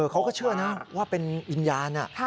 เขาก็เชื่อนะว่าเป็นวิญญาณ